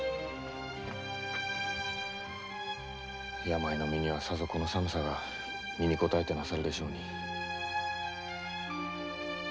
病の身にはこの寒さが身にこたえてなさるでしょうね。